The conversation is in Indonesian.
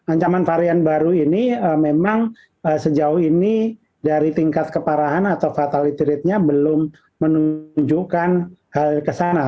ancaman varian baru ini memang sejauh ini dari tingkat keparahan atau fatality rate nya belum menunjukkan ke sana